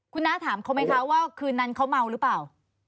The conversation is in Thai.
คุณน้าถามเขาไหมคะว่าคืนนั้นเขาเมาหรือเปล่า